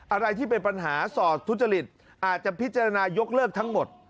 อะไรที่เป็นปัญหาสอดทุจริตอาจจะพิจารณายกเลิกทั้งหมด